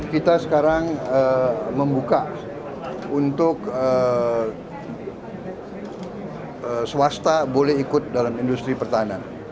kita sekarang membuka untuk swasta boleh ikut dalam industri pertahanan